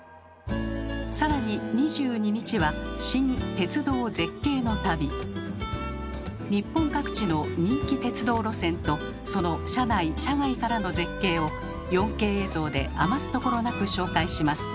更に日本各地の人気鉄道路線とその車内・車外からの絶景を４Ｋ映像で余すところなく紹介します。